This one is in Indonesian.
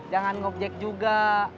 jangan ngojek juga